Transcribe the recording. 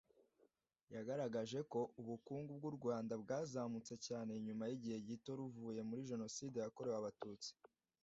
yagaragaje ko ubukungu bw’u Rwanda bwazamutse cyane nyuma y’igihe gito ruvuye muri Jenoside yakorewe Abatutsi